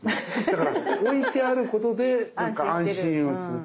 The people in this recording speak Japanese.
だから置いてあることでなんか安心をする。